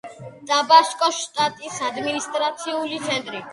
ტაბასკოს შტატის ადმინისტრაციული ცენტრი.